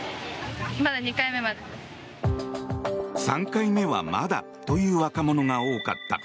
３回目はまだという若者が多かった。